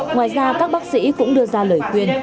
ngoài ra các bác sĩ cũng đưa ra lời khuyên